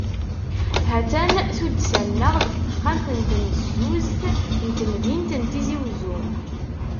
Ha-tt-an tuddsa-nneɣ deg texxam n tnezuzt n temdint n Tizi Uzzu.